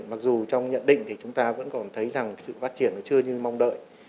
mặc dù trong nhận định thì chúng ta vẫn còn thấy rằng sự phát triển nó chưa như mong đợi